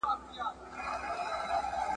تا خو د یاجوجو له نکلونو بېرولي وو ,